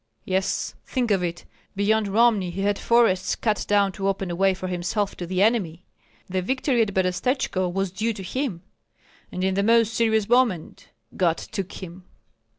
"Yes; think of it! Beyond Romni he had forests cut down to open a way for himself to the enemy." "The victory at Berestechko was due to him." "And in the most serious moment God took him."